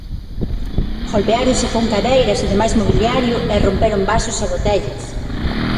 Golpeáronse con cadeiras e demais mobiliario e romperon vasos e botellas.